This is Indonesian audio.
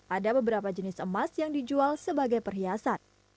ada beberapa jenis emas yang dijual sebagai perhiasan